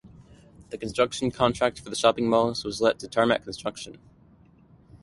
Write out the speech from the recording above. The construction contract for the shopping malls was let to Tarmac Construction.